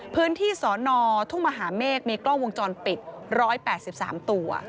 พื้นที่สอนอทุ่งมหาเมฆมีกล้องวงจรปิด๑๘๓ตัว